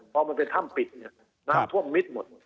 พอมันเป็นถ้ำปิดเนี่ยน้ำท่วมมิดหมด